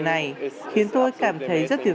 này khiến tôi cảm thấy rất là đẹp